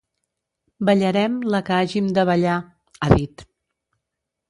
Ballarem la que hàgim de ballar…, ha dit.